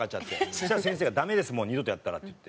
そしたら先生が「ダメですもう二度とやったら」って言って。